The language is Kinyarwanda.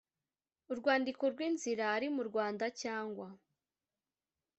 urwandiko rw inzira ari mu rwanda cyangwa